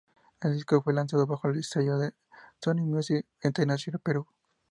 El disco fue lanzado bajo el sello de Sony Music Entertainment Perú.